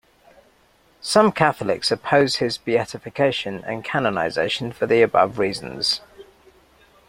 Some Catholics oppose his beatification and canonization for the above reasons.